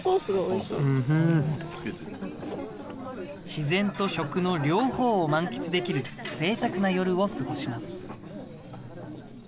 自然と食の両方を満喫できるぜいたくな夜を過ごします。